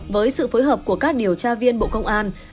với sự phối hợp của các điều tra viên bộ công an